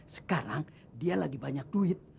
sekarang dia lagi banyak duit